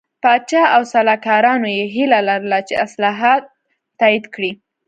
پاچا او سلاکارانو یې هیله لرله چې اصلاحات تایید کړي.